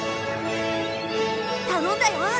頼んだよ！